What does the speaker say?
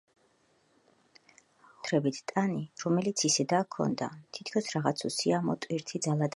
ღონეც და ტანიც, განსაკუთრებით ტანი, რომელიც ისე დაჰქონდა, თოთქოს რაღაც უსიამო ტვირთი ძალად აჰკიდეს